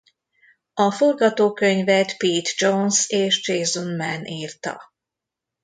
A forgatókönyvet Pete Jones és Jason Mann írta.